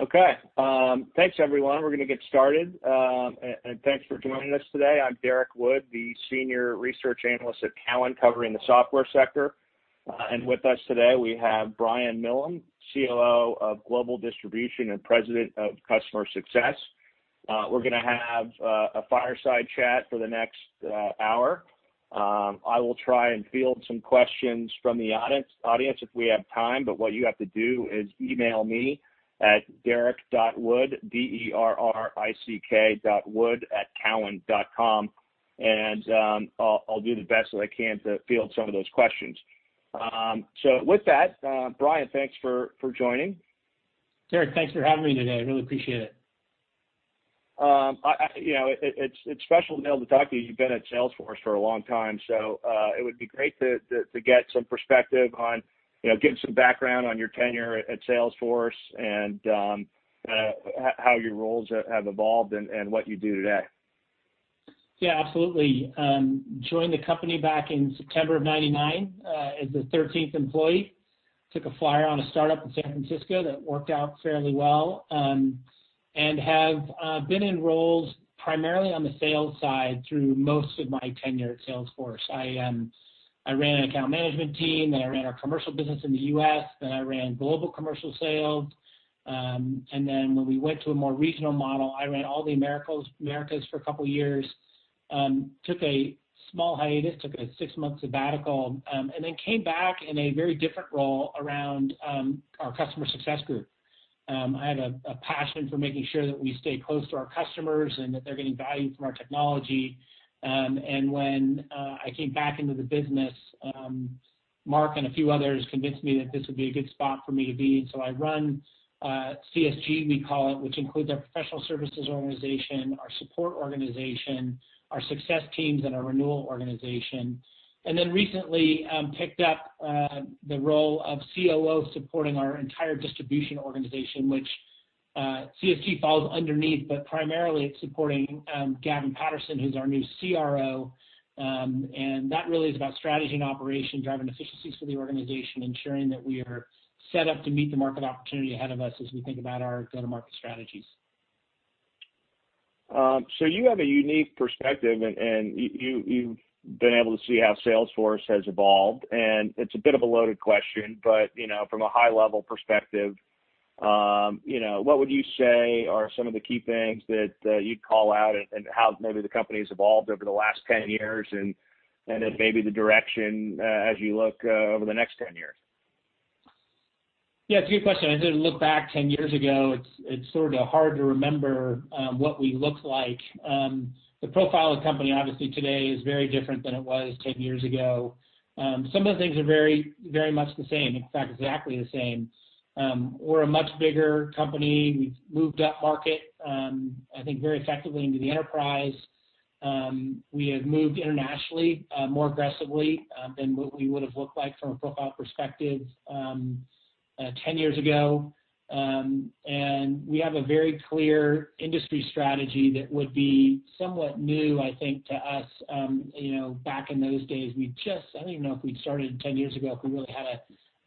Okay. Thanks everyone. We're going to get started, and thanks for joining us today. I'm Derrick Wood, the Senior Research Analyst at Cowen, covering the software sector. With us today, we have Brian Millham, COO of Global Distribution and President of Customer Success. We're going to have a fireside chat for the next hour. I will try and field some questions from the audience if we have time, but what you have to do is email me at derrick.wood, D-E-R-R-I-C-K.wood@cowen.com, and I'll do the best that I can to field some of those questions. With that, Brian, thanks for joining. Derrick, thanks for having me today. I really appreciate it. It's special to be able to talk to you. You've been at Salesforce for a long time, so it would be great to get some perspective on, get some background on your tenure at Salesforce and how your roles have evolved and what you do today. Yeah, absolutely. Joined the company back in September of 1999, as the 13th employee. Took a flyer on a startup in San Francisco that worked out fairly well, and have been in roles primarily on the sales side through most of my tenure at Salesforce. I ran an account management team, then I ran our commercial business in the U.S., then I ran global commercial sales. When we went to a more regional model, I ran all the Americas for a couple of years. Took a small hiatus, took a six-month sabbatical, and then came back in a very different role around our Customer Success Group. I have a passion for making sure that we stay close to our customers and that they're getting value from our technology. When I came back into the business, Mark and a few others convinced me that this would be a good spot for me to be. I run CSG, we call it, which includes our professional services organization, our support organization, our success teams, and our renewal organization. Recently, picked up the role of COO, supporting our entire distribution organization, which CSG falls underneath, but primarily it's supporting Gavin Patterson, who's our new CRO. That really is about strategy and operation, driving efficiencies for the organization, ensuring that we are set up to meet the market opportunity ahead of us as we think about our go-to-market strategies. You have a unique perspective, and you've been able to see how Salesforce has evolved. It's a bit of a loaded question, but, from a high-level perspective, what would you say are some of the key things that you'd call out and how maybe the company's evolved over the last 10 years, and then maybe the direction, as you look over the next 10 years? Yeah, it's a good question. As I look back 10 years ago, it's sort of hard to remember what we looked like. The profile of the company, obviously today, is very different than it was 10 years ago. Some of the things are very much the same. In fact, exactly the same. We're a much bigger company. We've moved upmarket, I think very effectively into the enterprise. We have moved internationally, more aggressively than what we would've looked like from a profile perspective 10 years ago. We have a very clear industry strategy that would be somewhat new, I think, to us. Back in those days, I don't even know if we'd started 10 years ago, if we really had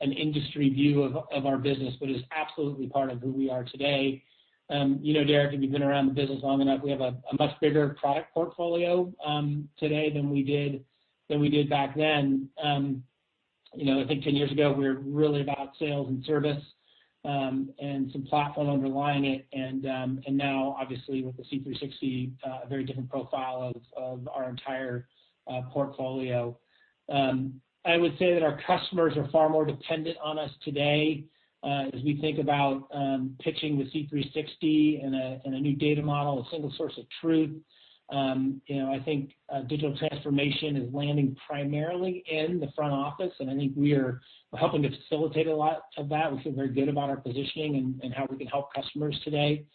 an industry view of our business, but is absolutely part of who we are today. You know, Derrick, if you've been around the business long enough, we have a much bigger product portfolio today than we did back then. I think 10 years ago, we were really about sales and service, and some platform underlying it. Now, obviously, with the C360, a very different profile of our entire portfolio. I would say that our customers are far more dependent on us today, as we think about pitching the C360 and a new data model, a single source of truth. I think digital transformation is landing primarily in the front office, and I think we're helping to facilitate a lot of that. We feel very good about our positioning and how we can help customers today.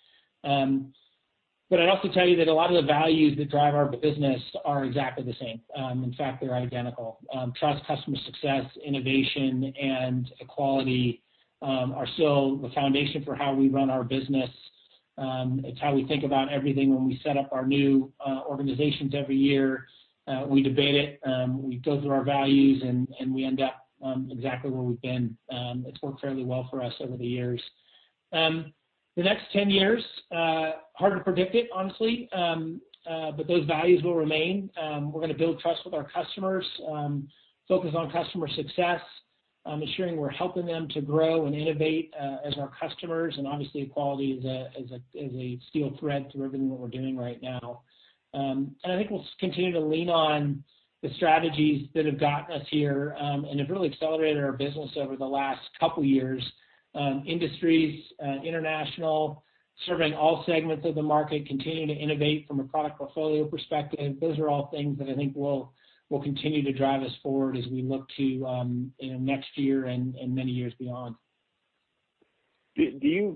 I'd also tell you that a lot of the values that drive our business are exactly the same. In fact, they're identical. Trust, customer success, innovation, and equality are still the foundation for how we run our business. It's how we think about everything when we set up our new organizations every year. We debate it, we go through our values, and we end up exactly where we've been. It's worked fairly well for us over the years. The next 10 years, hard to predict it, honestly. Those values will remain. We're going to build trust with our customers, focus on customer success, ensuring we're helping them to grow and innovate as our customers, and obviously equality is a steel thread through everything that we're doing right now. I think we'll continue to lean on the strategies that have gotten us here, and have really accelerated our business over the last couple of years. Industries, international, serving all segments of the market, continuing to innovate from a product portfolio perspective. Those are all things that I think will continue to drive us forward as we look to next year and many years beyond. You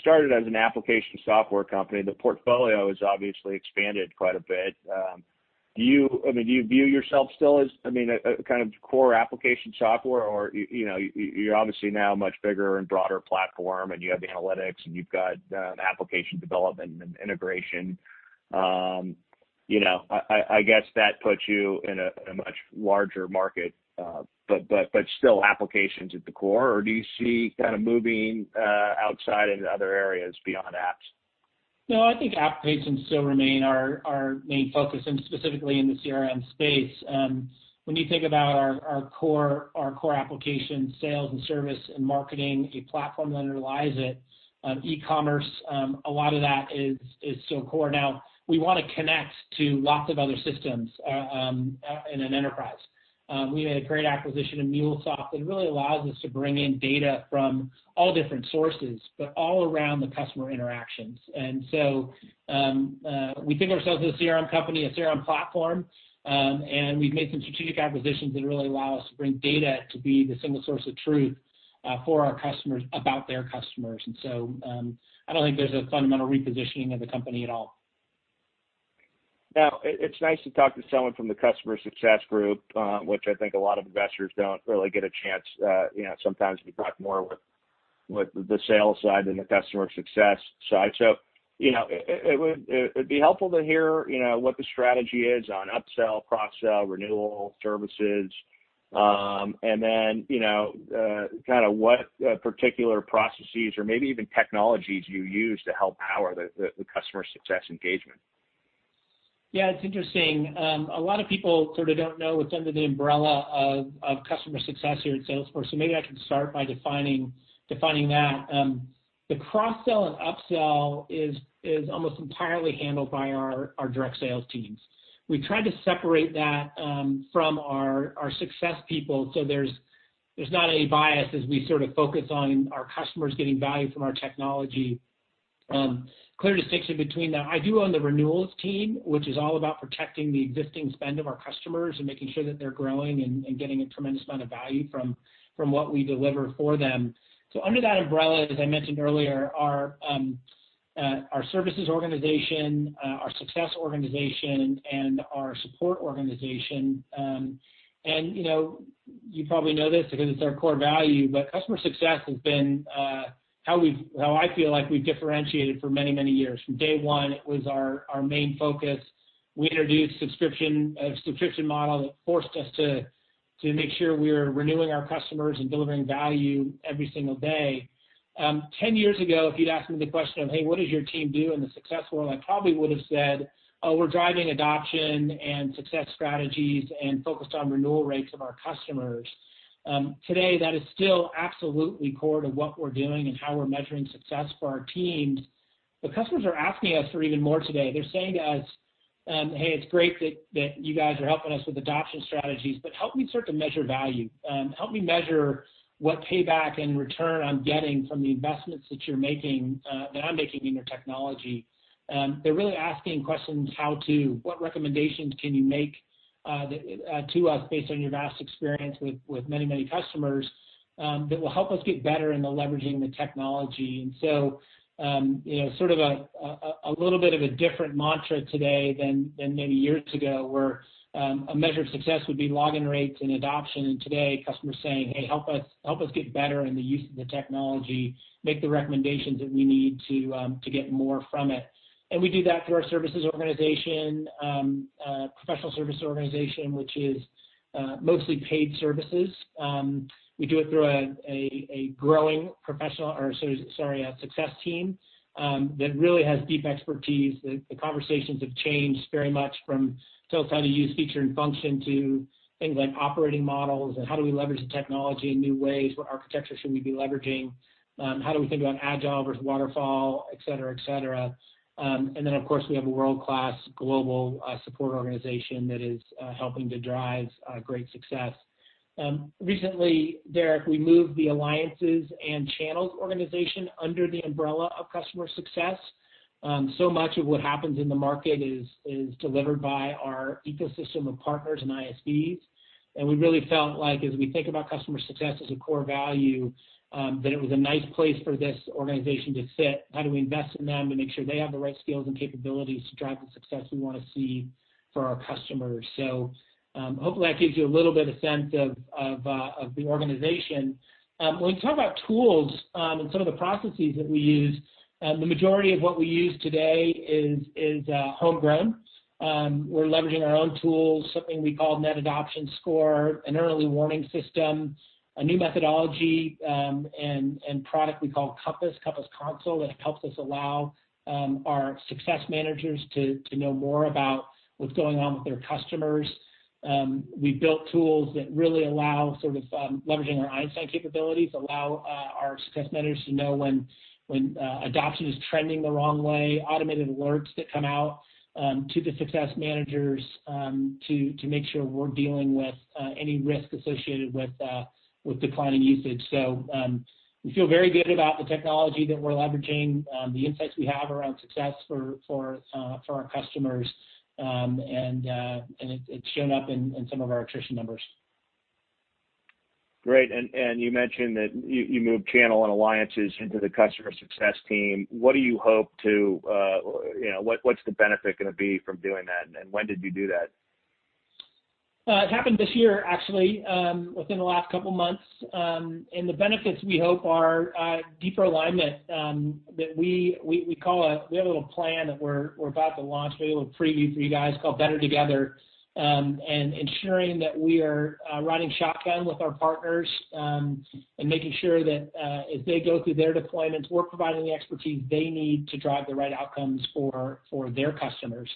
started as an application software company. The portfolio has obviously expanded quite a bit. Do you view yourself still as a kind of core application software, or you're obviously now a much bigger and broader platform, and you have the analytics, and you've got application development and integration, I guess that puts you in a much larger market, but still applications at the core, or do you see moving outside into other areas beyond apps? I think applications still remain our main focus, specifically in the CRM space. When you think about our core application, sales and service and marketing, a platform that underlies it, e-commerce, a lot of that is still core. We want to connect to lots of other systems in an enterprise. We made a great acquisition in MuleSoft that really allows us to bring in data from all different sources, but all around the customer interactions. We think of ourselves as a CRM company, a CRM platform, and we've made some strategic acquisitions that really allow us to bring data to be the single source of truth for our customers about their customers. I don't think there's a fundamental repositioning of the company at all. It's nice to talk to someone from the Customer Success Group, which I think a lot of investors don't really get a chance. Sometimes we talk more with the sales side than the Customer Success side. It would be helpful to hear what the strategy is on up sell, cross-sell, renewal services, and then what particular processes or maybe even technologies you use to help power the customer success engagement. Yeah, it's interesting. A lot of people don't know what's under the umbrella of Customer Success here at Salesforce, so maybe I can start by defining that. The cross-sell and up sell is almost entirely handled by our direct sales teams. We try to separate that from our success people so there's not any bias as we focus on our customers getting value from our technology. Clear distinction between them. I do own the renewals team, which is all about protecting the existing spend of our customers and making sure that they're growing and getting a tremendous amount of value from what we deliver for them. Under that umbrella, as I mentioned earlier, our Services organization, our Success organization, and our Support organization, and you probably know this because it's our core value, but Customer Success has been how I feel like we've differentiated for many, many years. From day one, it was our main focus. We introduced a subscription model that forced us to make sure we're renewing our customers and delivering value every single day. 10 years ago, if you'd asked me the question of, "Hey, what does your team do in the success world?" I probably would've said, "Oh, we're driving adoption and success strategies and focused on renewal rates of our customers." Today, that is still absolutely core to what we're doing and how we're measuring success for our teams. Customers are asking us for even more today. They're saying to us, "Hey, it's great that you guys are helping us with adoption strategies, but help me start to measure value. Help me measure what payback and return I'm getting from the investments that I'm making in your technology." They're really asking questions, what recommendations can you make to us based on your vast experience with many, many customers, that will help us get better in the leveraging the technology. A little bit of a different mantra today than maybe years ago, where a measure of success would be login rates and adoption, today, customers saying, "Hey, help us get better in the use of the technology, make the recommendations that we need to get more from it." We do that through our services organization, professional service organization, which is mostly paid services. We do it through a growing success team that really has deep expertise. The conversations have changed very much from sales how to use feature and function to things like operating models and how do we leverage the technology in new ways, what architecture should we be leveraging? How do we think about Agile versus Waterfall, et cetera. Of course, we have a world-class global support organization that is helping to drive great success. Recently, Derrick, we moved the alliances and channels organization under the umbrella of Customer Success. Much of what happens in the market is delivered by our ecosystem of partners and ISVs, and we really felt like as we think about Customer Success as a core value, that it was a nice place for this organization to sit. How do we invest in them to make sure they have the right skills and capabilities to drive the success we want to see for our customers? Hopefully that gives you a little bit of sense of the organization. When we talk about tools and some of the processes that we use, the majority of what we use today is homegrown. We're leveraging our own tools, something we call net adoption score, an early warning system, a new methodology, and product we call Compass Console, that helps us allow our success managers to know more about what's going on with their customers. We've built tools that really allow, sort of leveraging our Einstein capabilities, allow our success managers to know when adoption is trending the wrong way, automated alerts that come out to the success managers, to make sure we're dealing with any risk associated with declining usage. We feel very good about the technology that we're leveraging, the insights we have around success for our customers, and it's shown up in some of our attrition numbers. Great. You mentioned that you moved channel and alliances into the customer success team. What's the benefit going to be from doing that, and when did you do that? It happened this year, actually, within the last couple of months. The benefits, we hope, are deeper alignment, that we have a little plan that we're about to launch, but we have a little preview for you guys, called Better Together. Ensuring that we are riding shotgun with our partners, and making sure that as they go through their deployments, we're providing the expertise they need to drive the right outcomes for their customers.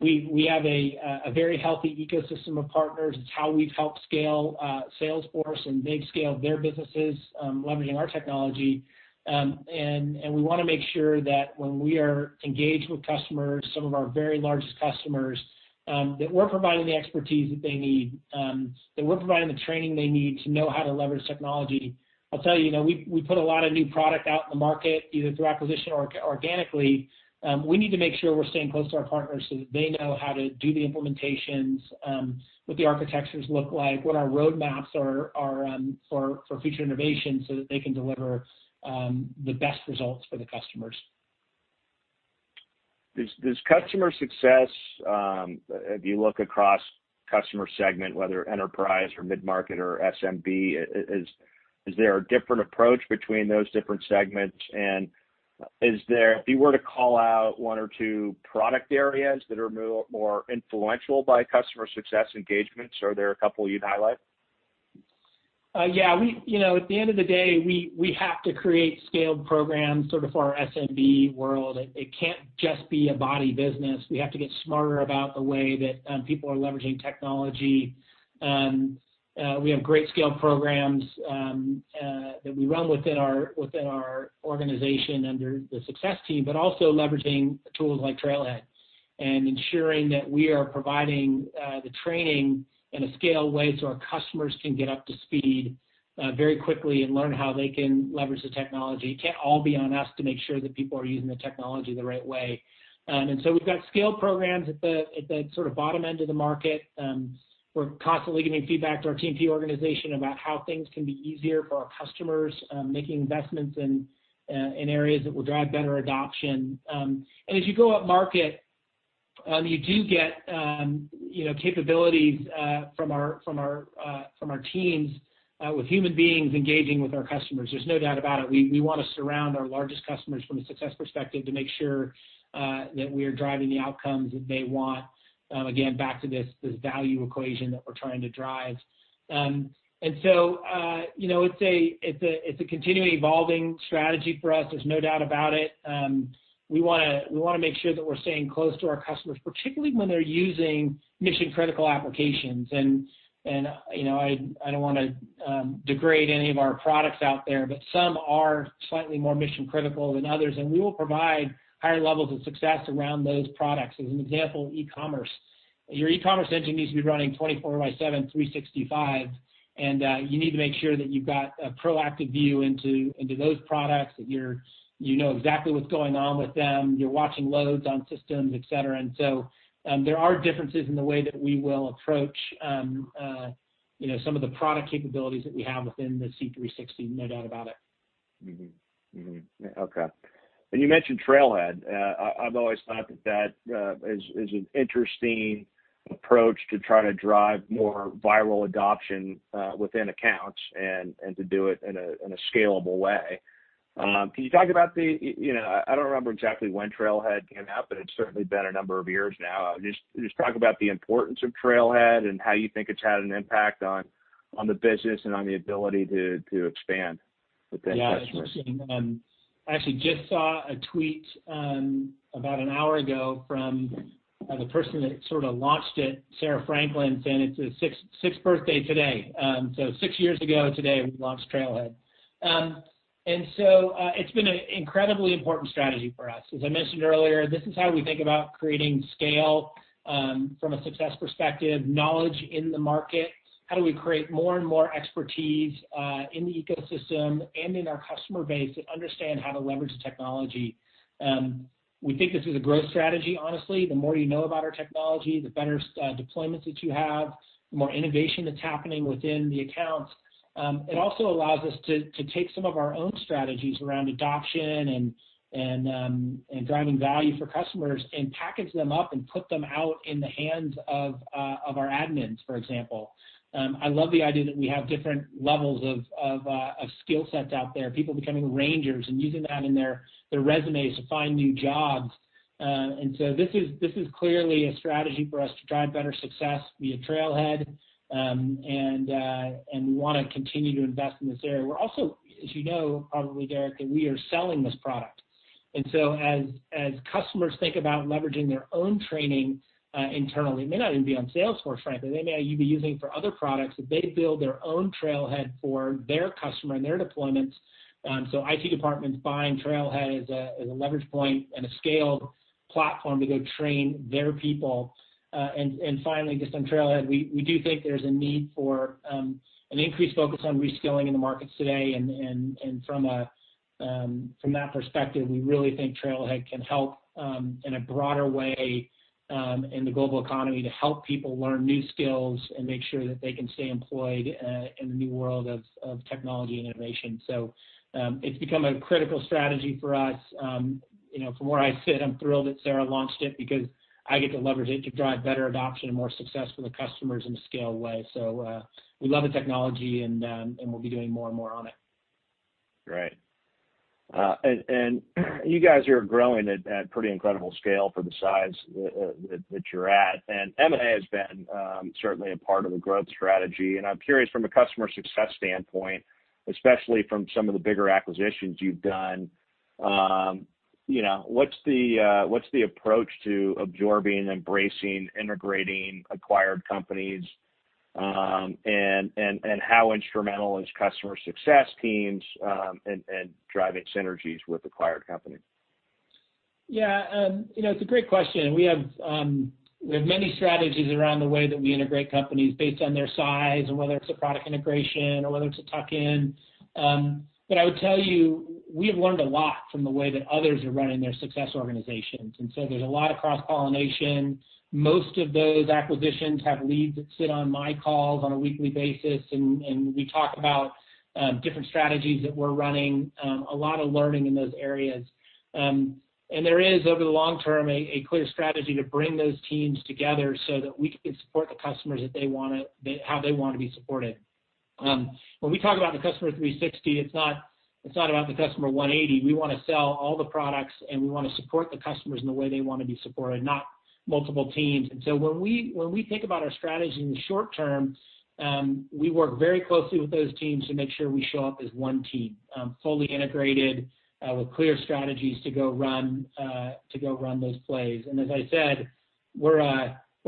We have a very healthy ecosystem of partners. It's how we've helped scale Salesforce and big scale their businesses, leveraging our technology. We want to make sure that when we are engaged with customers, some of our very largest customers, that we're providing the expertise that they need, that we're providing the training they need to know how to leverage technology. I'll tell you, we put a lot of new product out in the market, either through acquisition or organically. We need to make sure we're staying close to our partners so that they know how to do the implementations, what the architectures look like, what our roadmaps are for future innovation, so that they can deliver the best results for the customers. Does customer success, if you look across customer segment, whether enterprise or mid-market or SMB, is there a different approach between those different segments? If you were to call out one or two product areas that are more influential by customer success engagements, are there a couple you'd highlight? Yeah. At the end of the day, we have to create scaled programs sort of for our SMB world. It can't just be a body business. We have to get smarter about the way that people are leveraging technology. We have great scaled programs that we run within our organization under the success team, also leveraging tools like Trailhead, and ensuring that we are providing the training in a scaled way so our customers can get up to speed very quickly and learn how they can leverage the technology. It can't all be on us to make sure that people are using the technology the right way. We've got scaled programs at the sort of bottom end of the market. We're constantly giving feedback to our T&P organization about how things can be easier for our customers, making investments in areas that will drive better adoption. As you go up market, you do get capabilities from our teams, with human beings engaging with our customers. There's no doubt about it. We want to surround our largest customers from a success perspective to make sure that we are driving the outcomes that they want. Again, back to this value equation that we're trying to drive. It's a continually evolving strategy for us. There's no doubt about it. We want to make sure that we're staying close to our customers, particularly when they're using mission-critical applications. I don't want to degrade any of our products out there, but some are slightly more mission-critical than others, and we will provide higher levels of success around those products. As an example, e-commerce. Your e-commerce engine needs to be running 24 by seven, 365, and you need to make sure that you've got a proactive view into those products, that you know exactly what's going on with them, you're watching loads on systems, et cetera. There are differences in the way that we will approach some of the product capabilities that we have within the C360, no doubt about it. Okay. You mentioned Trailhead. I've always thought that that is an interesting approach to try to drive more viral adoption within accounts and to do it in a scalable way. Can you talk about, I don't remember exactly when Trailhead came out, but it's certainly been a number of years now. Just talk about the importance of Trailhead and how you think it's had an impact on the business and on the ability to expand within customers. Yeah. I actually just saw a tweet about an hour ago from the person that sort of launched it, Sarah Franklin, saying it's its sixth birthday today. Six years ago today, we launched Trailhead. It's been an incredibly important strategy for us. As I mentioned earlier, this is how we think about creating scale from a success perspective, knowledge in the market. How do we create more and more expertise in the ecosystem and in our customer base to understand how to leverage the technology? We think this is a growth strategy, honestly. The more you know about our technology, the better deployments that you have, the more innovation that's happening within the accounts. It also allows us to take some of our own strategies around adoption and driving value for customers, and package them up and put them out in the hands of our admins, for example. I love the idea that we have different levels of skill sets out there, people becoming rangers and using that in their resumes to find new jobs. This is clearly a strategy for us to drive better success via Trailhead, and we want to continue to invest in this area. We're also, as you know probably, Derrick, that we are selling this product. As customers think about leveraging their own training internally, they may not even be on Salesforce, frankly, they may be using it for other products, that they build their own Trailhead for their customer and their deployments. IT departments buying Trailhead as a leverage point and a scaled platform to go train their people. Finally, just on Trailhead, we do think there's a need for an increased focus on reskilling in the markets today, and from that perspective, we really think Trailhead can help in a broader way in the global economy to help people learn new skills and make sure that they can stay employed in the new world of technology and innovation. It's become a critical strategy for us. From where I sit, I'm thrilled that Sarah launched it because I get to leverage it to drive better adoption and more success for the customers in a scaled way. We love the technology and we'll be doing more and more on it. Great. You guys are growing at pretty incredible scale for the size that you're at. M&A has been certainly a part of the growth strategy, and I'm curious from a customer success standpoint, especially from some of the bigger acquisitions you've done, what's the approach to absorbing, embracing, integrating acquired companies, and how instrumental is customer success teams in driving synergies with acquired companies? Yeah. It's a great question. We have many strategies around the way that we integrate companies based on their size and whether it's a product integration or whether it's a tuck-in. I would tell you, we have learned a lot from the way that others are running their success organizations, and so there's a lot of cross-pollination. Most of those acquisitions have leads that sit on my calls on a weekly basis, and we talk about different strategies that we're running, a lot of learning in those areas. There is, over the long term, a clear strategy to bring those teams together so that we can support the customers, how they want to be supported. When we talk about the Customer 360, it's not about the customer 180. We want to sell all the products, and we want to support the customers in the way they want to be supported, not multiple teams. When we think about our strategy in the short term, we work very closely with those teams to make sure we show up as one team, fully integrated, with clear strategies to go run those plays. As I said, we're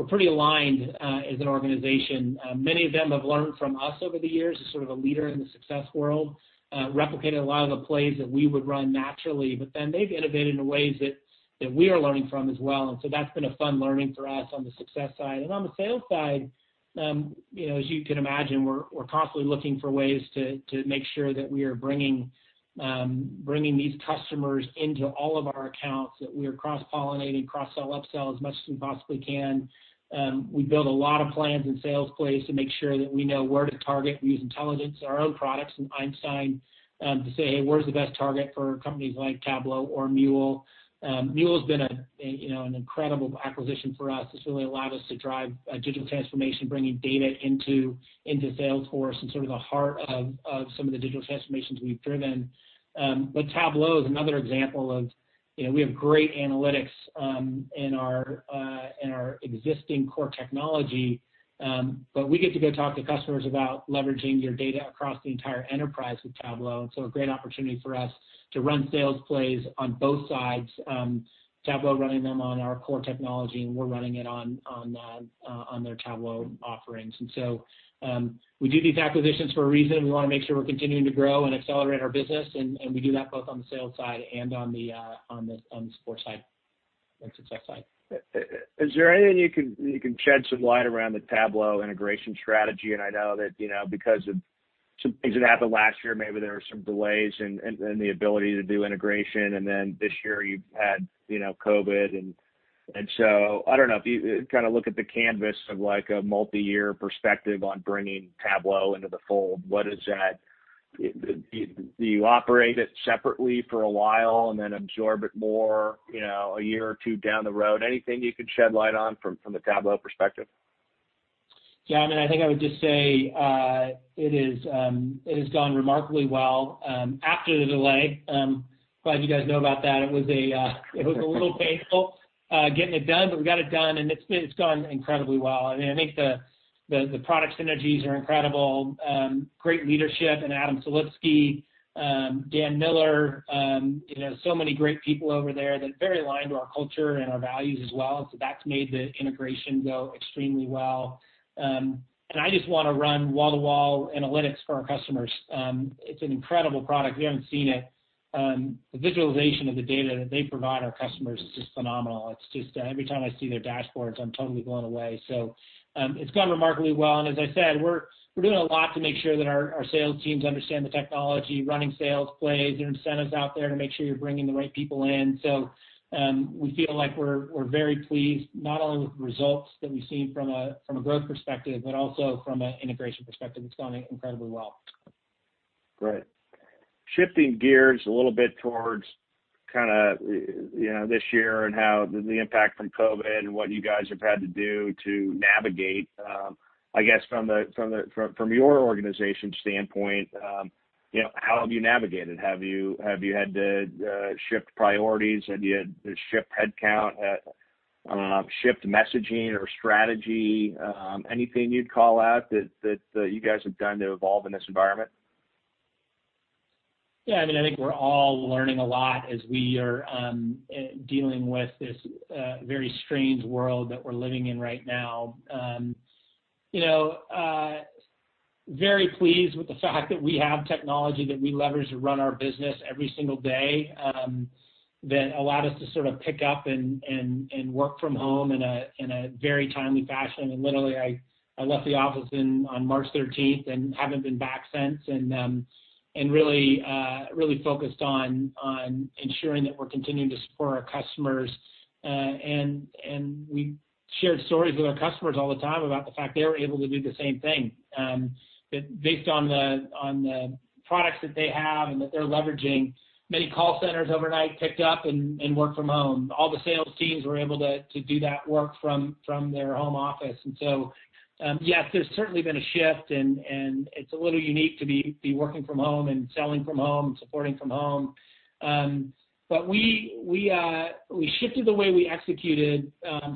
pretty aligned as an organization. Many of them have learned from us over the years as sort of a leader in the success world, replicated a lot of the plays that we would run naturally, they've innovated in ways that we are learning from as well, that's been a fun learning for us on the success side. On the sales side, as you can imagine, we're constantly looking for ways to make sure that we are bringing these customers into all of our accounts, that we are cross-pollinating, cross-sell, upsell as much as we possibly can. We build a lot of plans in sales plays to make sure that we know where to target. We use intelligence, our own products in Einstein, to say, "Hey, where's the best target for companies like Tableau or MuleSoft?" MuleSoft has been an incredible acquisition for us. It's really allowed us to drive digital transformation, bringing data into Salesforce and sort of the heart of some of the digital transformations we've driven. Tableau is another example of, we have great analytics in our existing core technology, but we get to go talk to customers about leveraging your data across the entire enterprise with Tableau. A great opportunity for us to run sales plays on both sides, Tableau running them on our core technology, and we're running it on their Tableau offerings. We do these acquisitions for a reason. We want to make sure we're continuing to grow and accelerate our business, and we do that both on the sales side and on the support side and success side. Is there anything you can shed some light around the Tableau integration strategy? I know that because of some things that happened last year, maybe there were some delays in the ability to do integration, and then this year you've had COVID, and so I don't know. If you look at the canvas of a multi-year perspective on bringing Tableau into the fold, what is that? Do you operate it separately for a while and then absorb it more a year or two down the road? Anything you can shed light on from the Tableau perspective? Yeah, I think I would just say, it has gone remarkably well after the delay. I'm glad you guys know about that. It was a little painful getting it done. We got it done. It's gone incredibly well. I think the product synergies are incredible, great leadership in Adam Selipsky, Dan Miller, so many great people over there that are very aligned to our culture and our values as well. That's made the integration go extremely well. I just want to run wall-to-wall analytics for our customers. It's an incredible product. If you haven't seen it, the visualization of the data that they provide our customers is just phenomenal. Every time I see their dashboards, I'm totally blown away. It's gone remarkably well. As I said, we're doing a lot to make sure that our sales teams understand the technology, running sales plays. There are incentives out there to make sure you're bringing the right people in. We feel like we're very pleased, not only with the results that we've seen from a growth perspective, but also from an integration perspective. It's going incredibly well. Great. Shifting gears a little bit towards this year and the impact from COVID and what you guys have had to do to navigate. I guess from your organization standpoint, how have you navigated? Have you had to shift priorities? Have you had to shift headcount? Shift messaging or strategy? Anything you'd call out that you guys have done to evolve in this environment? Yeah, I think we're all learning a lot as we are dealing with this very strange world that we're living in right now. Very pleased with the fact that we have technology that we leverage to run our business every single day, that allowed us to pick up and work from home in a very timely fashion. Literally, I left the office on March 13th and haven't been back since, and really focused on ensuring that we're continuing to support our customers. We shared stories with our customers all the time about the fact they were able to do the same thing. Based on the products that they have and that they're leveraging, many call centers overnight picked up and work from home. All the sales teams were able to do that work from their home office. Yes, there's certainly been a shift and it's a little unique to be working from home and selling from home, supporting from home. We shifted the way we executed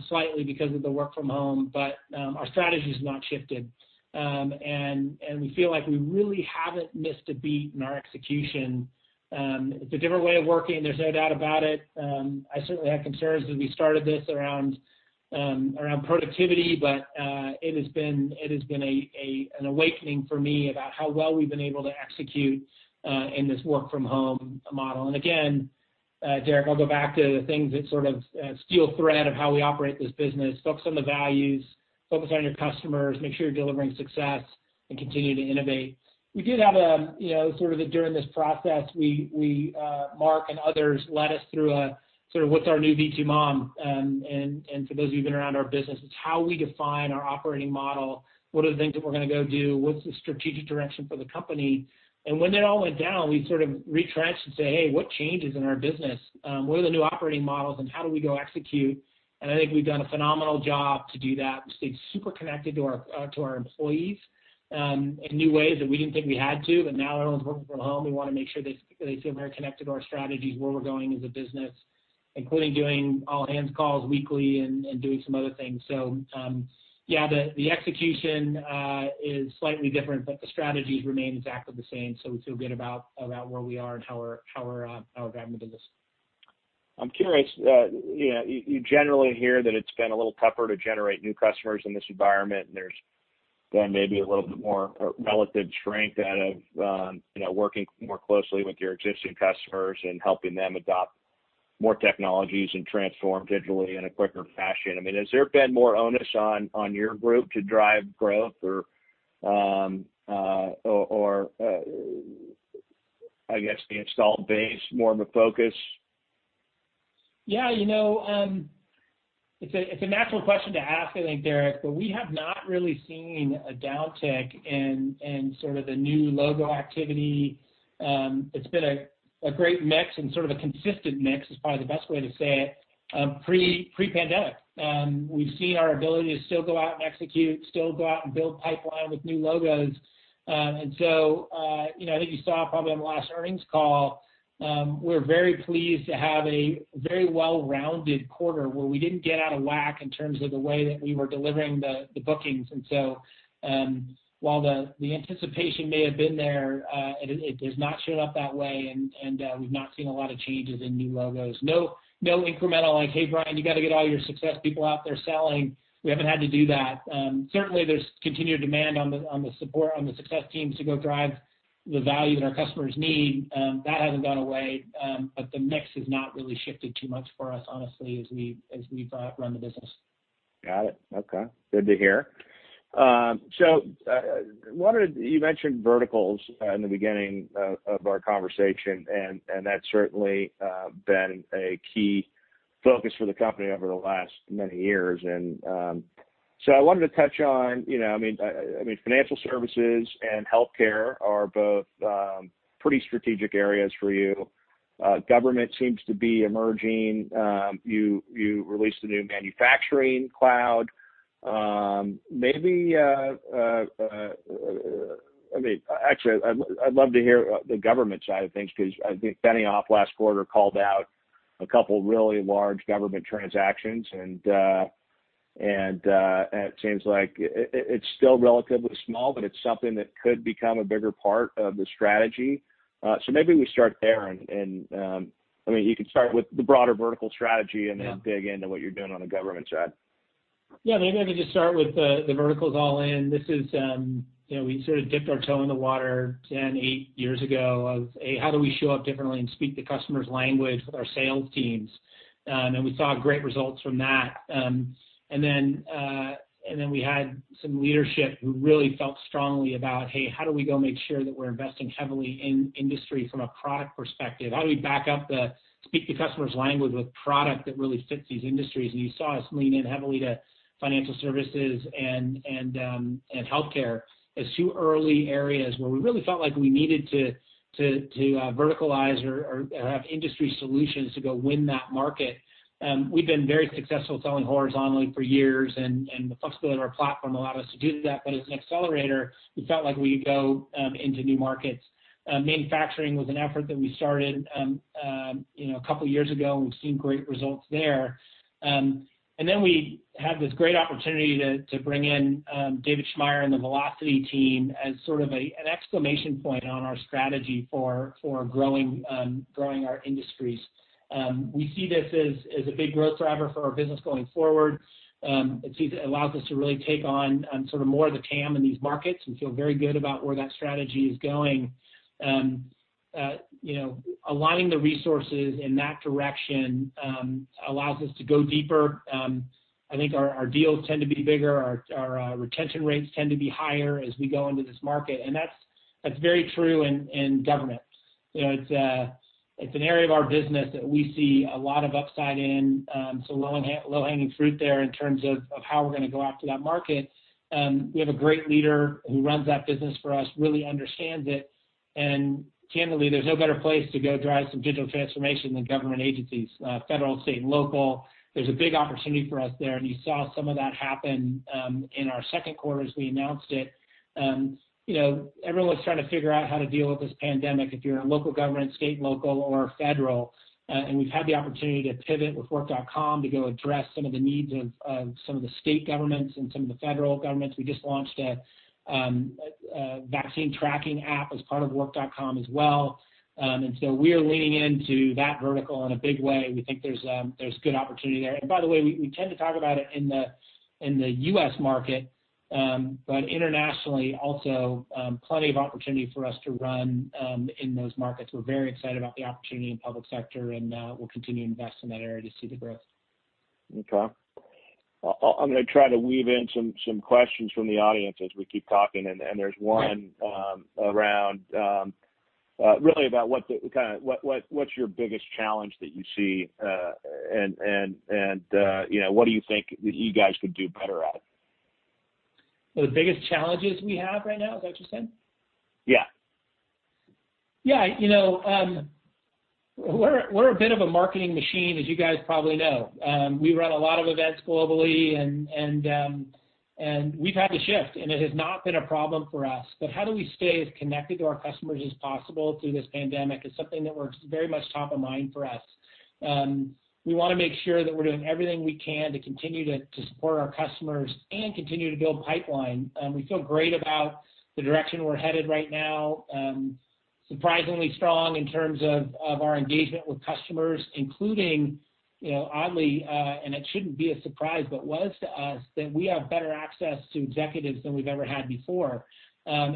slightly because of the work from home. Our strategy's not shifted. We feel like we really haven't missed a beat in our execution. It's a different way of working, there's no doubt about it. I certainly had concerns as we started this around productivity, but it has been an awakening for me about how well we've been able to execute in this work from home model. Again, Derrick, I'll go back to the things that sort of steel thread of how we operate this business. Focus on the values, focus on your customers, make sure you're delivering success, and continue to innovate. We did have a sort of during this process, Marc and others led us through a sort of what's our new V2MOM. To those of you who've been around our business, it's how we define our operating model. What are the things that we're going to go do? What's the strategic direction for the company? When it all went down, we sort of retrenched and said, "Hey, what changes in our business? What are the new operating models and how do we go execute?" I think we've done a phenomenal job to do that. We've stayed super connected to our employees, in new ways that we didn't think we had to, but now everyone's working from home. We want to make sure they feel very connected to our strategies, where we're going as a business, including doing all-hands calls weekly and doing some other things. Yeah, the execution is slightly different, but the strategies remain exactly the same. We feel good about where we are and how we're guiding the business. I'm curious. You generally hear that it's been a little tougher to generate new customers in this environment, and there's been maybe a little bit more relative strength out of working more closely with your existing customers and helping them adopt more technologies and transform digitally in a quicker fashion. Has there been more onus on your group to drive growth or I guess the installed base more of a focus? Yeah. It's a natural question to ask, I think, Derrick, we have not really seen a downtick in sort of the new logo activity. It's been a great mix and sort of a consistent mix, is probably the best way to say it, pre-pandemic. We've seen our ability to still go out and execute, still go out and build pipeline with new logos. I think you saw probably on the last earnings call, we're very pleased to have a very well-rounded quarter where we didn't get out of whack in terms of the way that we were delivering the bookings. While the anticipation may have been there, it has not shown up that way, and we've not seen a lot of changes in new logos. No incremental like, "Hey, Brian, you got to get all your success people out there selling." We haven't had to do that. Certainly, there's continued demand on the support, on the success teams to go drive the value that our customers need. That hasn't gone away. The mix has not really shifted too much for us, honestly, as we run the business. Got it. Okay. Good to hear. You mentioned verticals in the beginning of our conversation, and that's certainly been a key focus for the company over the last many years. I wanted to touch on, financial services and healthcare are both pretty strategic areas for you. Government seems to be emerging. You released a new Manufacturing Cloud. Actually, I'd love to hear the government side of things because I think Benioff last quarter called out a couple really large government transactions, and it seems like it's still relatively small, but it's something that could become a bigger part of the strategy. Maybe we start there and you can start with the broader vertical strategy and then. Yeah dig into what you're doing on the government side. Yeah, maybe I could just start with the verticals all in. We sort of dipped our toe in the water 10, eight years ago of how do we show up differently and speak the customer's language with our sales teams? We saw great results from that. Then we had some leadership who really felt strongly about, hey, how do we go make sure that we're investing heavily in industry from a product perspective? How do we back up the speak the customer's language with product that really fits these industries? You saw us lean in heavily to financial services and healthcare as two early areas where we really felt like we needed to verticalize or have industry solutions to go win that market. We've been very successful selling horizontally for years, and the flexibility of our platform allowed us to do that. As an accelerator, we felt like we go into new markets. Manufacturing was an effort that we started a couple of years ago, and we've seen great results there. We had this great opportunity to bring in David Schmaier and the Vlocity team as sort of an exclamation point on our strategy for growing our industries. We see this as a big growth driver for our business going forward. It allows us to really take on sort of more of the TAM in these markets. We feel very good about where that strategy is going. Aligning the resources in that direction allows us to go deeper. I think our deals tend to be bigger, our retention rates tend to be higher as we go into this market, and that's very true in government. It's an area of our business that we see a lot of upside in. Low-hanging fruit there in terms of how we're going to go after that market. We have a great leader who runs that business for us, really understands it. Candidly, there's no better place to go drive some digital transformation than government agencies, federal, state and local. There's a big opportunity for us there, and you saw some of that happen in our second quarter as we announced it. Everyone's trying to figure out how to deal with this pandemic, if you're in a local government, state and local, or federal. We've had the opportunity to pivot with Work.com to go address some of the needs of some of the state governments and some of the federal governments. We just launched a vaccine tracking app as part of Work.com as well. We are leaning into that vertical in a big way. We think there's good opportunity there. By the way, we tend to talk about it in the U.S. market, but internationally also, plenty of opportunity for us to run in those markets. We're very excited about the opportunity in public sector and we'll continue to invest in that area to see the growth. Okay. I'm going to try to weave in some questions from the audience as we keep talking. Right. There's one around really about what's your biggest challenge that you see, and what do you think that you guys could do better at? The biggest challenges we have right now, is that what you're saying? Yeah. Yeah. We're a bit of a marketing machine, as you guys probably know. We run a lot of events globally and we've had to shift, and it has not been a problem for us. How do we stay as connected to our customers as possible through this pandemic is something that works very much top of mind for us. We want to make sure that we're doing everything we can to continue to support our customers and continue to build pipeline. We feel great about the direction we're headed right now. Surprisingly strong in terms of our engagement with customers, including oddly, and it shouldn't be a surprise, but was to us, that we have better access to executives than we've ever had before. An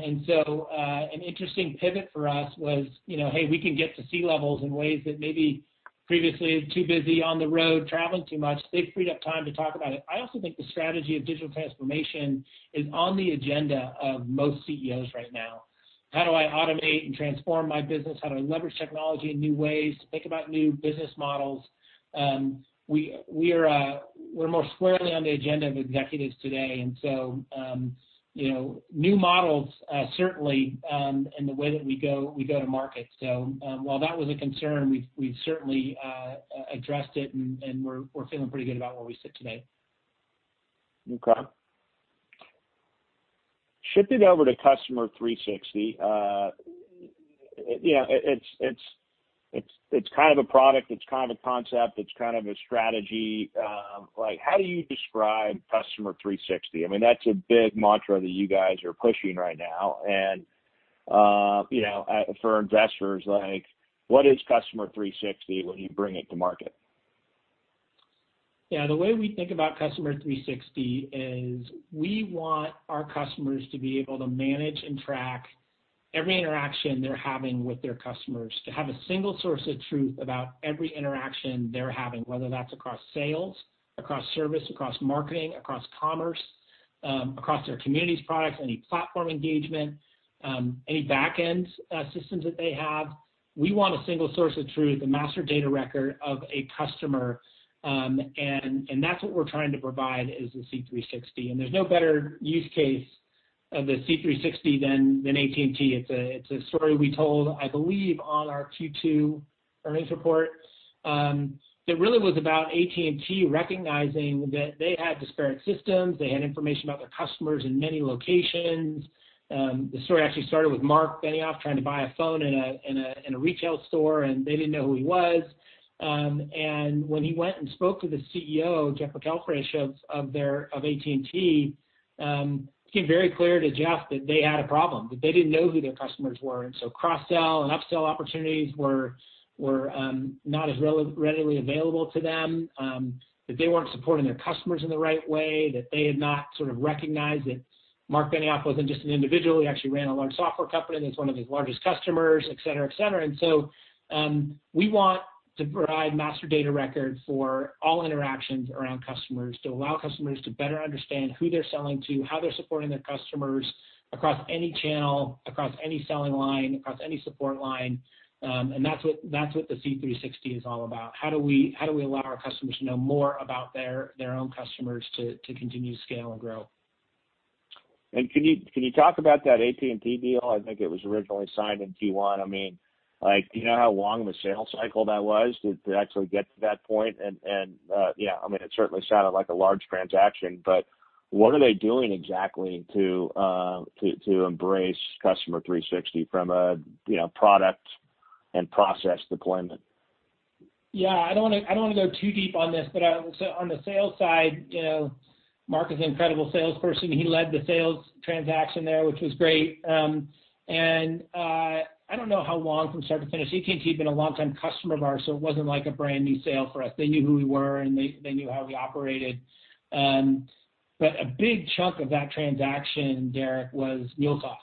interesting pivot for us was, hey, we can get to C-levels in ways that maybe previously too busy on the road traveling too much. They freed up time to talk about it. I also think the strategy of digital transformation is on the agenda of most CEO's right now. How do I automate and transform my business? How do I leverage technology in new ways to think about new business models? We're more squarely on the agenda of executives today, new models certainly, and the way that we go to market. While that was a concern, we've certainly addressed it, and we're feeling pretty good about where we sit today. Okay. Shifting over to Customer 360. It's kind of a product, it's kind of a concept. It's kind of a strategy. How do you describe Customer 360? That's a big mantra that you guys are pushing right now. For investors, what is Customer 360 when you bring it to market? Yeah. The way we think about Customer 360 is we want our customers to be able to manage and track every interaction they're having with their customers. To have a single source of truth about every interaction they're having, whether that's across sales, across service, across marketing, across commerce, across their communities products, any platform engagement, any backend systems that they have. We want a single source of truth, a master data record of a customer, and that's what we're trying to provide is the C360. There's no better use case of the C360 than AT&T. It's a story we told, I believe, on our Q2 earnings report, that really was about AT&T recognizing that they had disparate systems. They had information about their customers in many locations. The story actually started with Marc Benioff trying to buy a phone in a retail store, and they didn't know who he was. When he went and spoke to the CEO, Jeff McElfresh, of AT&T, it became very clear to Jeff that they had a problem, that they didn't know who their customers were. Cross-sell and upsell opportunities were not as readily available to them, that they weren't supporting their customers in the right way, that they had not sort of recognized that Marc Benioff wasn't just an individual, he actually ran a large software company that's one of his largest customers, et cetera. We want to provide master data records for all interactions around customers to allow customers to better understand who they're selling to, how they're supporting their customers across any channel, across any selling line, across any support line. That's what the C360 is all about. How do we allow our customers to know more about their own customers to continue to scale and grow? Can you talk about that AT&T deal? I think it was originally signed in Q1. Do you know how long of a sales cycle that was to actually get to that point? It certainly sounded like a large transaction, but what are they doing exactly to embrace Customer 360 from a product and process deployment? Yeah, I don't want to go too deep on this, but on the sales side, Marc is an incredible salesperson. He led the sales transaction there, which was great. I don't know how long from start to finish. AT&T been a long-time customer of ours, so it wasn't like a brand-new sale for us. They knew who we were, and they knew how we operated. A big chunk of that transaction, Derrick, was MuleSoft.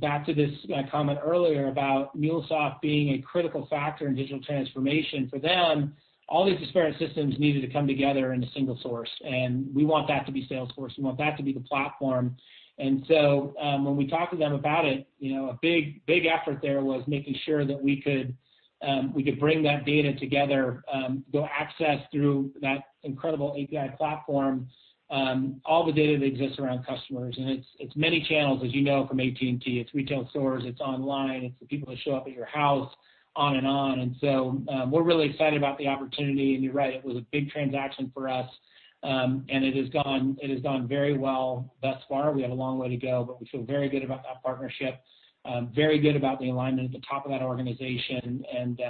Back to this comment earlier about MuleSoft being a critical factor in digital transformation. For them, all these disparate systems needed to come together in a single source, and we want that to be Salesforce. We want that to be the platform. When we talked to them about it, a big effort there was making sure that we could bring that data together, go access through that incredible API platform, all the data that exists around customers. It's many channels, as you know, from AT&T. It's retail stores, it's online, it's the people that show up at your house, on and on. We're really excited about the opportunity. You're right, it was a big transaction for us. It has gone very well thus far. We have a long way to go, but we feel very good about that partnership, very good about the alignment at the top of that organization, and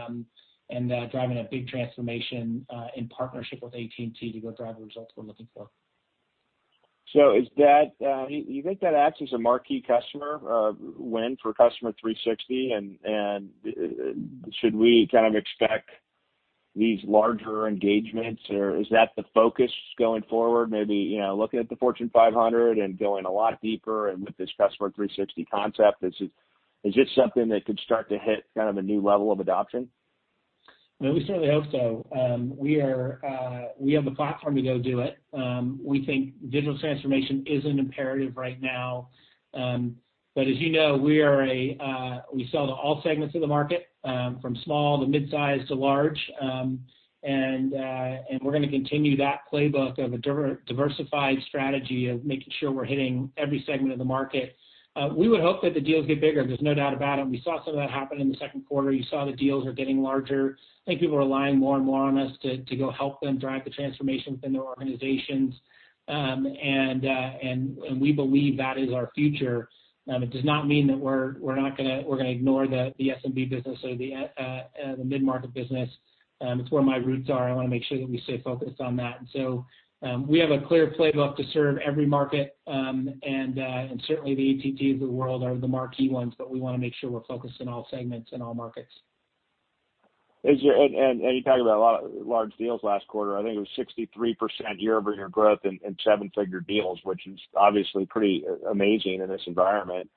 driving a big transformation, in partnership with AT&T, to go drive the results we're looking for. Do you think that acts as a marquee customer win for Customer 360, and should we expect these larger engagements or is that the focus going forward? Maybe looking at the Fortune 500 and going a lot deeper, and with this Customer 360 concept, is this something that could start to hit a new level of adoption? We certainly hope so. We have the platform to go do it. We think digital transformation is an imperative right now. As you know, we sell to all segments of the market, from small to mid-market to large. We're going to continue that playbook of a diversified strategy of making sure we're hitting every segment of the market. We would hope that the deals get bigger, there's no doubt about it. We saw some of that happen in the second quarter. You saw the deals are getting larger. I think people are relying more and more on us to go help them drive the transformation within their organizations. We believe that is our future. It does not mean that we're going to ignore the SMB business or the mid-market business. It's where my roots are. I want to make sure that we stay focused on that. We have a clear playbook to serve every market, and certainly the AT&Ts of the world are the marquee ones, but we want to make sure we're focused on all segments and all markets. You talked about a lot of large deals last quarter. I think it was 63% year-over-year growth in seven-figure deals, which is obviously pretty amazing in this environment.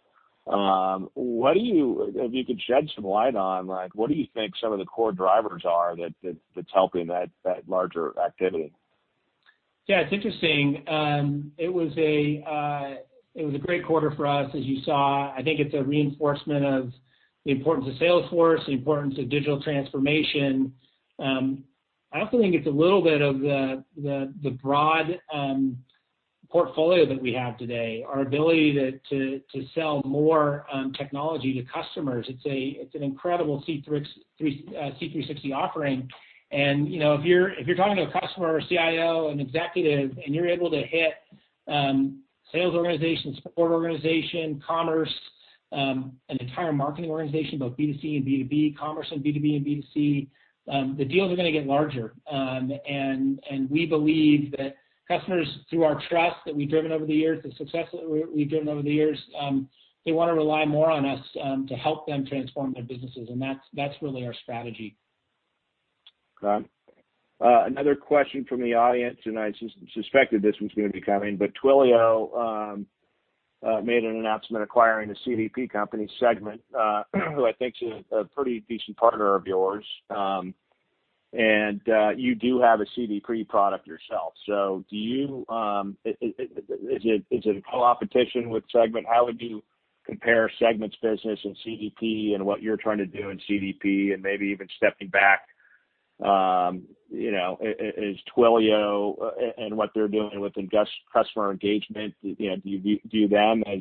If you could shed some light on what do you think some of the core drivers are that's helping that larger activity? It's interesting. It was a great quarter for us, as you saw. I think it's a reinforcement of the importance of Salesforce, the importance of digital transformation. I also think it's a little bit of the broad portfolio that we have today. Our ability to sell more technology to customers. It's an incredible C360 offering. If you're talking to a customer or CIO, an executive, and you're able to hit sales organizations, support organization, commerce, an entire marketing organization, both B2C and B2B, commerce in B2B and B2C, the deals are going to get larger. We believe that customers, through our trust that we've driven over the years, the success that we've driven over the years, they want to rely more on us to help them transform their businesses. That's really our strategy. Got it. Another question from the audience, and I suspected this was going to be coming, but Twilio made an announcement acquiring the CDP company, Segment, who I think is a pretty decent partner of yours. You do have a CDP product yourself. Is it a competition with Segment? How would you compare Segment's business and CDP and what you're trying to do in CDP and maybe even stepping back, is Twilio, and what they're doing within customer engagement, do you view them as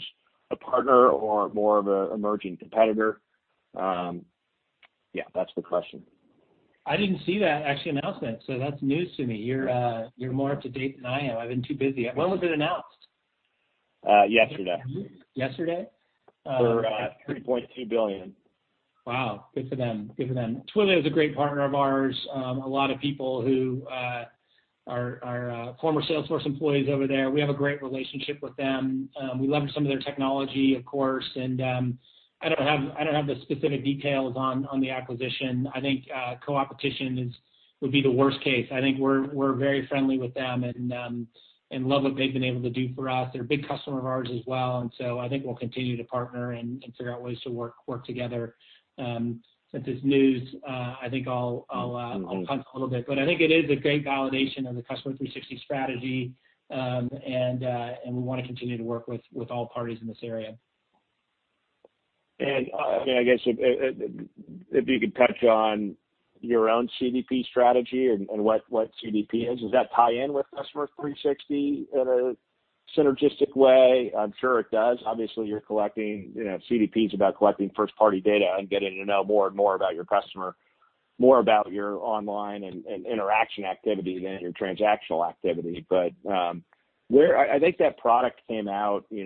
a partner or more of a emerging competitor? Yeah, that's the question. I didn't see that actual announcement, so that's news to me. You're more up to date than I am. I've been too busy. When was it announced? Yesterday. Yesterday? For $3.2 billion. Wow. Good for them. Twilio is a great partner of ours. A lot of people who are former Salesforce employees over there. We have a great relationship with them. We love some of their technology, of course, and I don't have the specific details on the acquisition. I think co-opetition would be the worst case. I think we're very friendly with them and love what they've been able to do for us. They're a big customer of ours as well. I think we'll continue to partner and figure out ways to work together. This news, I think I'll punt a little bit. I think it is a great validation of the Customer 360 strategy, and we want to continue to work with all parties in this area. I guess if you could touch on your own CDP strategy and what CDP is. Does that tie in with Customer 360 in a synergistic way? I'm sure it does. Obviously, CDP is about collecting first-party data and getting to know more and more about your customer, more about your online and interaction activity than your transactional activity. I think that product came out, I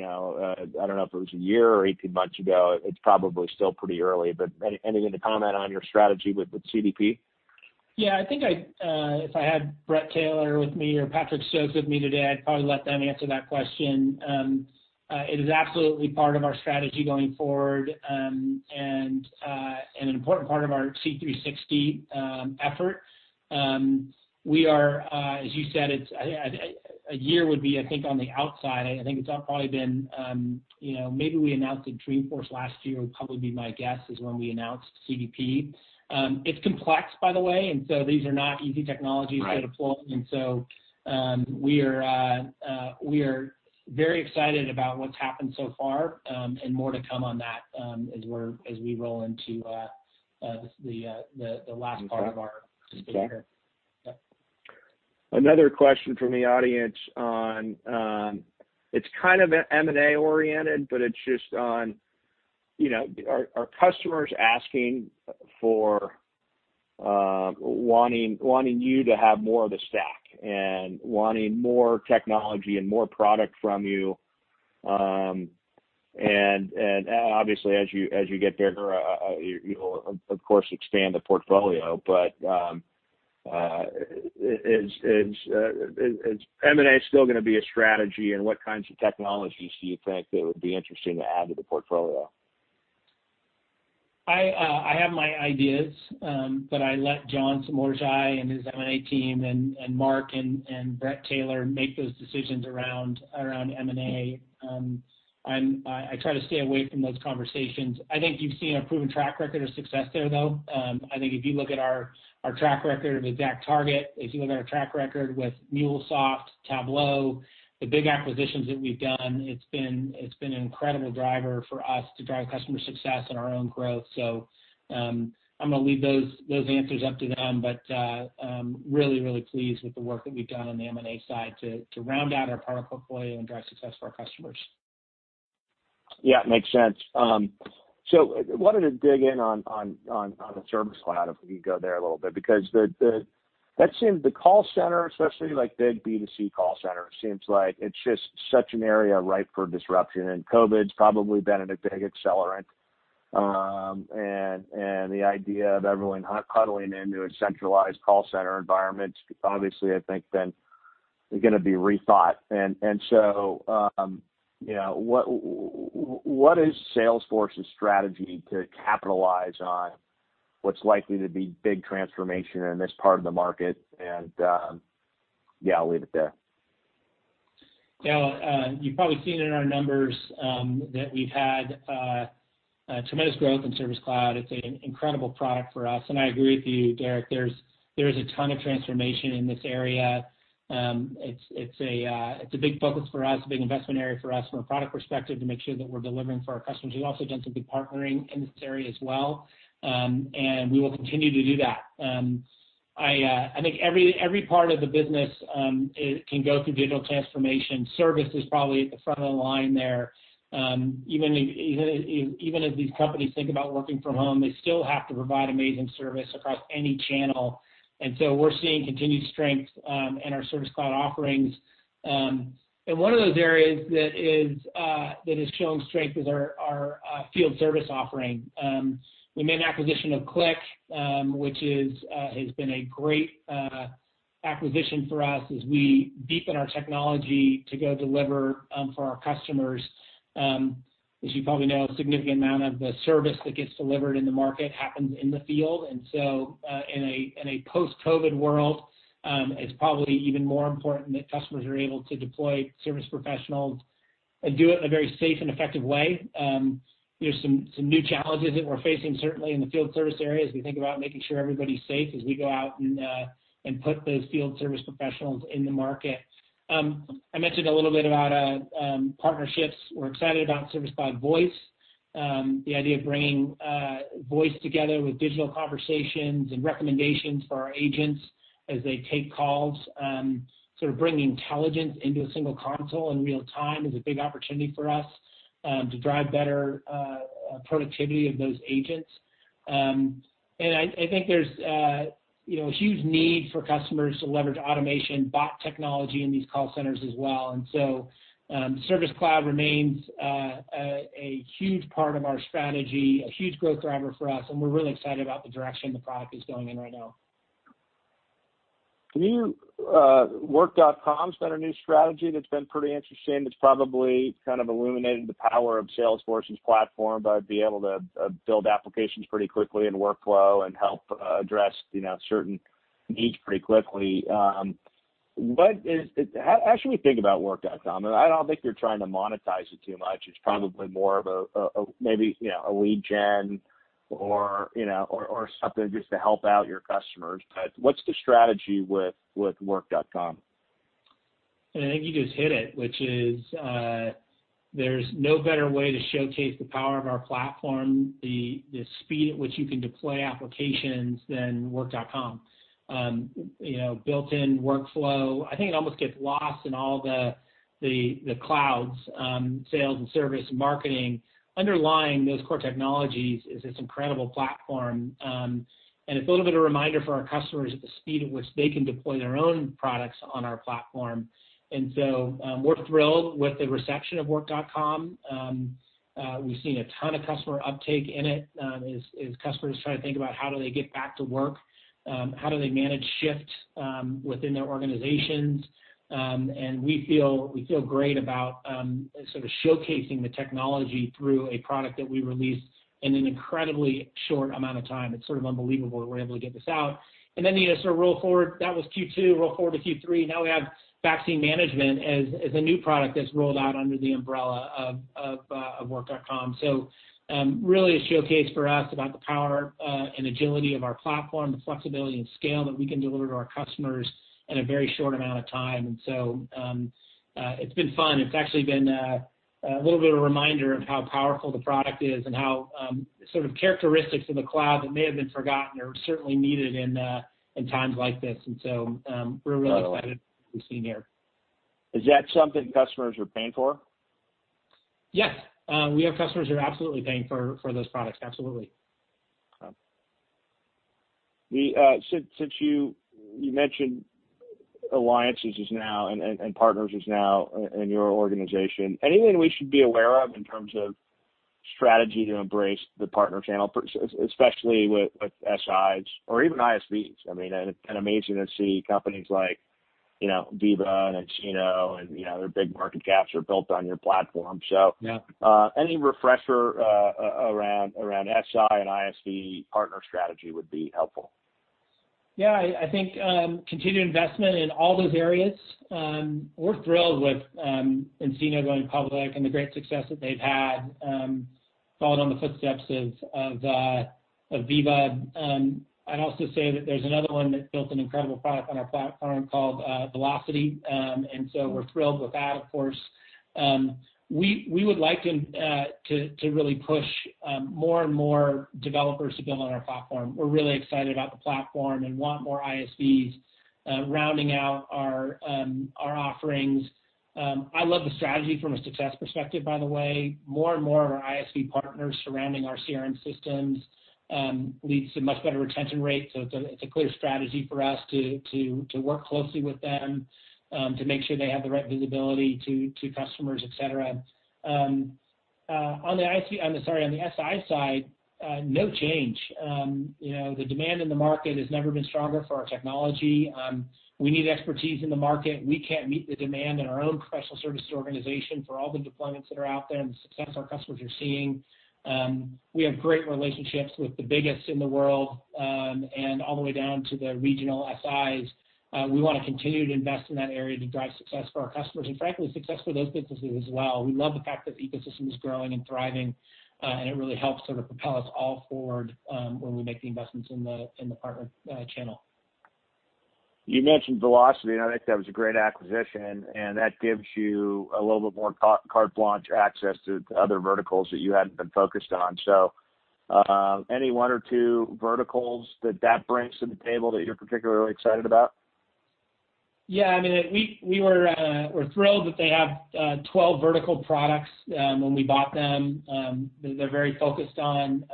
don't know if it was a year or 18 months ago. It's probably still pretty early, but anything to comment on your strategy with CDP? Yeah, I think if I had Bret Taylor with me or Patrick Stokes with me today, I'd probably let them answer that question. It is absolutely part of our strategy going forward, and an important part of our C360 effort. We are, as you said, a year would be, I think, on the outside. I think it's probably been, maybe we announced at Dreamforce last year, would probably be my guess, is when we announced CDP. It's complex, by the way, and so these are not easy technologies to deploy We are very excited about what's happened so far, and more to come on that as we roll into the last part of our fiscal year. Okay. Fair. Yeah. Another question from the audience on, it's kind of M&A-oriented, but it's just on are customers asking for wanting you to have more of the stack, and wanting more technology and more product from you. Obviously, as you get bigger, you'll of course expand the portfolio. Is M&A still going to be a strategy, and what kinds of technologies do you think that would be interesting to add to the portfolio? I have my ideas, I let John Somorjai and his M&A team, and Marc and Bret Taylor make those decisions around M&A. I try to stay away from those conversations. I think you've seen a proven track record of success there, though. I think if you look at our track record with ExactTarget, if you look at our track record with MuleSoft, Tableau, the big acquisitions that we've done, it's been an incredible driver for us to drive customer success and our own growth. I'm going to leave those answers up to them. I'm really, really pleased with the work that we've done on the M&A side to round out our product portfolio and drive success for our customers. Yeah, makes sense. I wanted to dig in on the Service Cloud, if we could go there a little bit, because that seems the call center, especially like big B2C call center, seems like it's just such an area ripe for disruption. COVID's probably been a big accelerant. The idea of everyone huddling into a centralized call center environment, obviously, I think then is going to be rethought. What is Salesforce's strategy to capitalize on what's likely to be big transformation in this part of the market? Yeah, I'll leave it there. Yeah. You've probably seen in our numbers that we've had tremendous growth in Service Cloud. It's an incredible product for us. I agree with you, Derrick, there's a ton of transformation in this area. It's a big focus for us, a big investment area for us from a product perspective to make sure that we're delivering for our customers. We've also done some big partnering in this area as well, and we will continue to do that. I think every part of the business can go through digital transformation. Service is probably at the front of the line there. Even as these companies think about working from home, they still have to provide amazing service across any channel. We're seeing continued strength in our Service Cloud offerings. One of those areas that is showing strength is our field service offering. We made an acquisition of ClickSoftware, which has been a great acquisition for us as we deepen our technology to go deliver for our customers. As you probably know, a significant amount of the service that gets delivered in the market happens in the field. In a post-COVID world, it's probably even more important that customers are able to deploy service professionals and do it in a very safe and effective way. There's some new challenges that we're facing, certainly in the field service areas. We think about making sure everybody's safe as we go out and put those field service professionals in the market. I mentioned a little bit about partnerships. We're excited about service by voice. The idea of bringing voice together with digital conversations and recommendations for our agents as they take calls, sort of bringing intelligence into a single console in real time is a big opportunity for us to drive better productivity of those agents. I think there's a huge need for customers to leverage automation, bot technology in these call centers as well. Service Cloud remains a huge part of our strategy, a huge growth driver for us, and we're really excited about the direction the product is going in right now. Work.com's been a new strategy that's been pretty interesting. It's probably kind of illuminated the power of Salesforce's platform, about being able to build applications pretty quickly in workflow and help address certain needs pretty quickly. How should we think about Work.com? I don't think you're trying to monetize it too much. It's probably more of a lead gen or something just to help out your customers. What's the strategy with Work.com? I think you just hit it, which is there's no better way to showcase the power of our platform the speed at which you can deploy applications than Work.com. Built-in workflow, I think it almost gets lost in all the clouds, sales and service marketing. Underlying those core technologies is this incredible platform. It's a little bit of a reminder for our customers the speed at which they can deploy their own products on our platform. So, we're thrilled with the reception of Work.com. We've seen a ton of customer uptake in it, as customers try to think about how do they get back to work, how do they manage shifts within their organizations. We feel great about sort of showcasing the technology through a product that we released in an incredibly short amount of time. It's sort of unbelievable that we were able to get this out. You sort of roll forward, that was Q2, roll forward to Q3, now we have vaccine management as a new product that's rolled out under the umbrella of Work.com. Really it showcased for us about the power and agility of our platform, the flexibility and scale that we can deliver to our customers in a very short amount of time. It's been fun. It's actually been a little bit of a reminder of how powerful the product is, and how characteristics of the cloud that may have been forgotten are certainly needed in times like this. We're really excited with what we've seen here. Is that something customers are paying for? Yes. We have customers who are absolutely paying for those products. Absolutely. You mentioned alliances just now and partners just now in your organization, anything we should be aware of in terms of strategy to embrace the partner channel, especially with SIs, or even ISVs? It's kind of amazing to see companies like Veeva and nCino, and their big market caps are built on your platform. Yeah. Any refresher around SI and ISV partner strategy would be helpful. Yeah. I think continued investment in all those areas. We're thrilled with nCino going public and the great success that they've had, following on the footsteps of Veeva. I'd also say that there's another one that built an incredible product on our platform called Vlocity, and so we're thrilled with that, of course. We would like to really push more and more developers to build on our platform. We're really excited about the platform and want more ISVs rounding out our offerings. I love the strategy from a success perspective, by the way. More and more of our ISV partners surrounding our CRM systems leads to much better retention rates, so it's a clear strategy for us to work closely with them, to make sure they have the right visibility to customers, et cetera. On the SI side, no change. The demand in the market has never been stronger for our technology. We need expertise in the market. We can't meet the demand in our own professional service organization for all the deployments that are out there and the success our customers are seeing. We have great relationships with the biggest in the world, and all the way down to the regional SIs. We want to continue to invest in that area to drive success for our customers, and frankly, success for those businesses as well. We love the fact that the ecosystem is growing and thriving, and it really helps propel us all forward when we make the investments in the partner channel. You mentioned Vlocity, and I think that was a great acquisition, and that gives you a little bit more carte blanche access to other verticals that you hadn't been focused on. Any one or two verticals that that brings to the table that you're particularly excited about? Yeah. We're thrilled that they have 12 vertical products when we bought them. They're very focused on,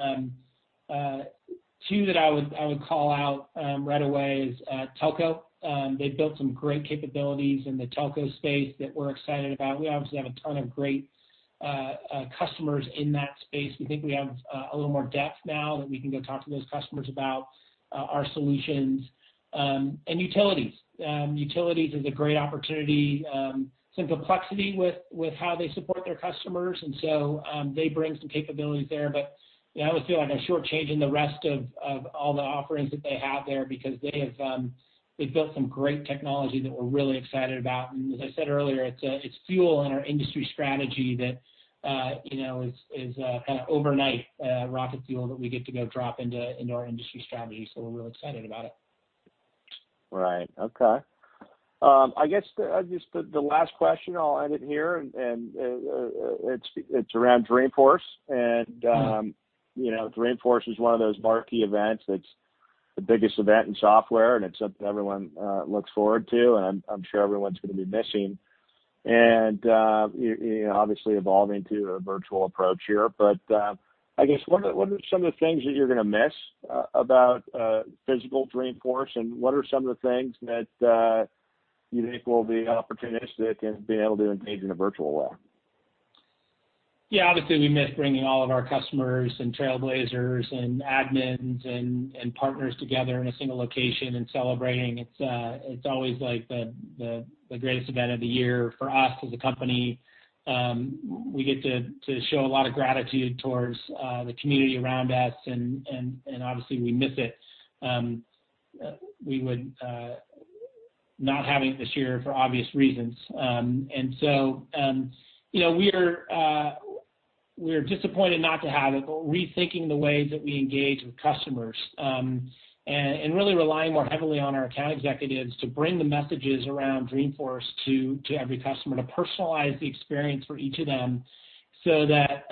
two that I would call out right away is telco. They've built some great capabilities in the telco space that we're excited about. We obviously have a ton of great customers in that space. We think we have a little more depth now that we can go talk to those customers about our solutions. Utilities. Utilities is a great opportunity. Some complexity with how they support their customers. They bring some capabilities there. I always feel like I'm shortchanging the rest of all the offerings that they have there, because they've built some great technology that we're really excited about. As I said earlier, it's fuel in our industry strategy that is overnight rocket fuel that we get to go drop into our industry strategy. We're real excited about it. Right. Okay. I guess, just the last question, I'll end it here, and it's around Dreamforce. Dreamforce is one of those marquee events that's the biggest event in software, and it's something everyone looks forward to, and I'm sure everyone's going to be missing. Obviously evolving to a virtual approach here, but I guess, what are some of the things that you're going to miss about physical Dreamforce, and what are some of the things that you think will be opportunistic in being able to engage in a virtual way? Yeah. Obviously, we miss bringing all of our customers and trailblazers and admins and partners together in a single location and celebrating. It's always the greatest event of the year for us as a company. We get to show a lot of gratitude towards the community around us, and obviously we miss it, not having it this year for obvious reasons. We're disappointed not to have it, but rethinking the ways that we engage with customers, and really relying more heavily on our account executives to bring the messages around Dreamforce to every customer, to personalize the experience for each of them so that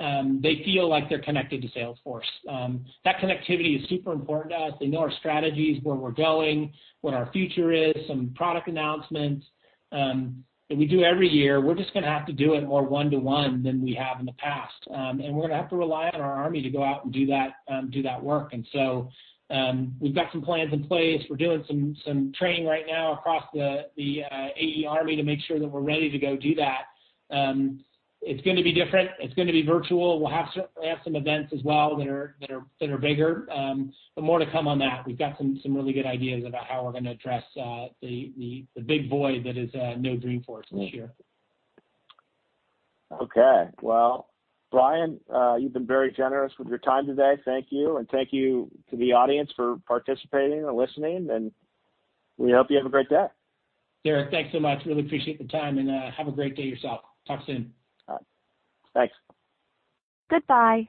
they feel like they're connected to Salesforce. That connectivity is super important to us. They know our strategies, where we're going, what our future is, some product announcements that we do every year. We're just going to have to do it more one-to-one than we have in the past. We're going to have to rely on our army to go out and do that work. We've got some plans in place. We're doing some training right now across the AE army to make sure that we're ready to go do that. It's going to be different. It's going to be virtual. We'll have some events as well that are bigger. More to come on that. We've got some really good ideas about how we're going to address the big void that is no Dreamforce this year. Okay. Well, Brian, you've been very generous with your time today. Thank you, and thank you to the audience for participating and listening, and we hope you have a great day. Derrick, thanks so much. Really appreciate the time, and have a great day yourself. Talk soon. All right. Thanks. Goodbye.